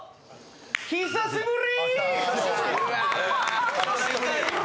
久しぶり。